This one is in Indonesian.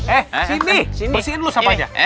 eh sini bersihin dulu sampahnya